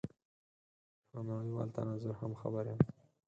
له هغه نړېوال تناظر هم خبر یم.